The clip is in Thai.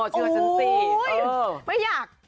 เชื่อฉันสิ